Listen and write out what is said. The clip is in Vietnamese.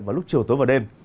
vào lúc chiều tối vào đêm